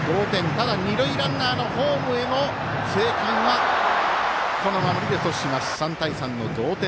ただ、二塁ランナーのホームへの生還は守りで阻止して３対３の同点